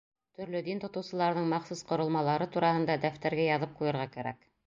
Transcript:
Төрлө дин тотоусыларҙың махсус ҡоролмалары тураһында дәфтәргә яҙып ҡуйырға кәрәк.